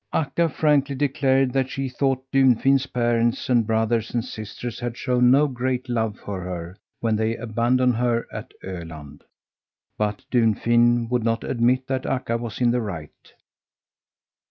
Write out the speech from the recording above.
Akka frankly declared that she thought Dunfin's parents and brothers and sisters had shown no great love for her when they abandoned her at Öland, but Dunfin would not admit that Akka was in the right.